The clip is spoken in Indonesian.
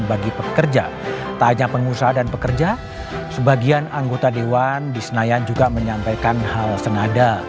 bagi pekerja tak hanya pengusaha dan pekerja sebagian anggota dewan di senayan juga menyampaikan hal senada